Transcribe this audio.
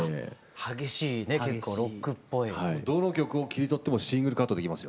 どの曲を切り取ってもシングルカットできますよ。